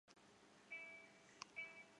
台湾虎尾草为禾本科虎尾草下的一个种。